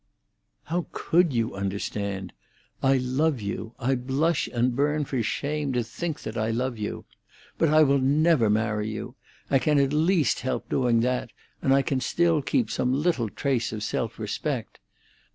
"How could you understand? I love you—I blush and burn for shame to think that I love you. But I will never marry you; I can at least help doing that, and I can still keep some little trace of self respect.